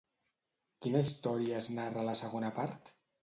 Quina història es narra a la segona part?